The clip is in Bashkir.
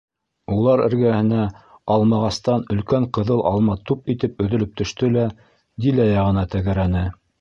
Улар эргәһенә алмағастан өлкән ҡыҙыл алма туп итеп өҙөлөп төштө лә Дилә яғына тәгәрәне.